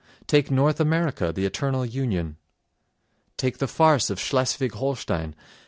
Take North America—the eternal union. Take the farce of Schleswig Holstein....